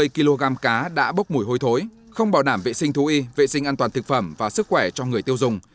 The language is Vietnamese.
ba mươi kg cá đã bốc mùi hôi thối không bảo đảm vệ sinh thú y vệ sinh an toàn thực phẩm và sức khỏe cho người tiêu dùng